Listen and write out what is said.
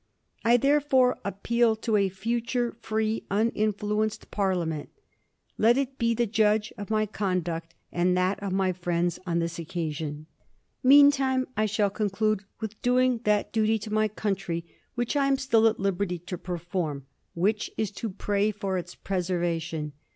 " I therefore appeal to a future, free, uninfluenced Parlia ment. Let it be the judge of my conduct and that of my friends on this occasion. Meantime I shall conclude with doing that duty to my country which I am still at liberty to perform— which is to pray for its preservation.